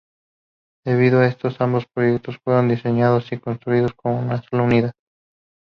Debido a esto ambos proyectos fueron diseñados y construidos como una sola unidad.